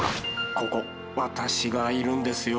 ここ私がいるんですよ。